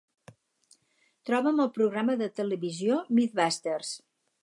Troba'm el programa de televisió MythBusters